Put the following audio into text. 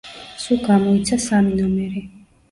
სულ გამოიცა სამი ნომერი.